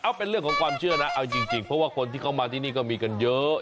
เอาเป็นเรื่องของความเชื่อนะเอาจริงเพราะว่าคนที่เขามาที่นี่ก็มีกันเยอะ